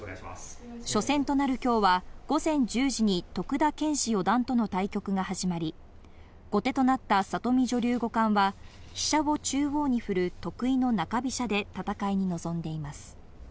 初戦となる今日は午前１０時に徳田拳士四段との対局が始まり、後手となった里見女流五冠は、飛車を中央に振る得意の中飛車で戦いに臨んでいます。